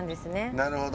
なるほど。